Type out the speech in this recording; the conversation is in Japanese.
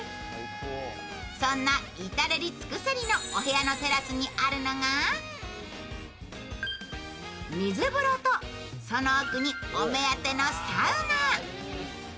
そんな至れり尽くせりなお部屋のテラスにあるのが水風呂とその奥にお目当てのサウナ。